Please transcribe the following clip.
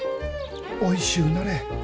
おいしゅうなれ。